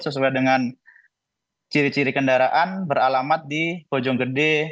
sesuai dengan ciri ciri kendaraan beralamat di bojonggede